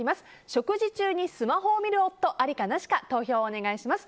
食事中にスマホを見る夫ありかなしか投票をお願いします。